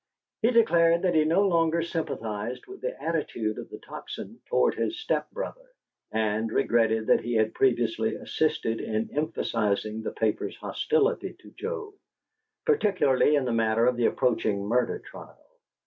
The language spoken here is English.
He declared that he no longer sympathized with the attitude of the Tocsin toward his step brother, and regretted that he had previously assisted in emphasizing the paper's hostility to Joe, particularly in the matter of the approaching murder trial.